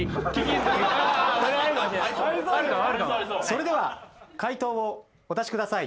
それでは解答をお出しください。